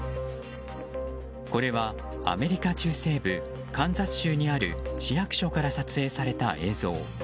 これは、アメリカ中西部カンザス州にある市役所から撮影された映像。